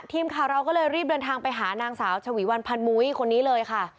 ทีมข่าวเราก็เลยรีบเดินทางไปหานางสาวชวีวันพันมุ้ยคนนี้เลยค่ะ